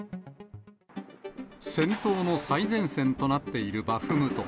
戦闘の最前線となっているバフムト。